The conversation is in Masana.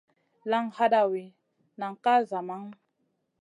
Laŋ hadawi, nan ka zamaŋu.